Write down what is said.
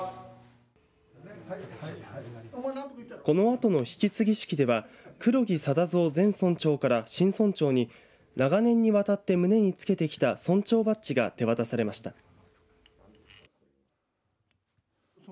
このあとの引き継ぎ式では黒木定蔵前村長から新村長に長年にわたって胸につけてきた村長バッジが手渡されました。